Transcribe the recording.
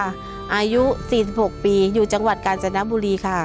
อายุ๔๖ปีอยู่จังหวัดกาญจนบุรีค่ะ